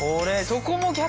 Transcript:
そこも逆？